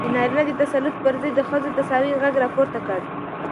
د نارينه د تسلط پر ضد د ښځو د تساوۍ غږ راپورته کړ.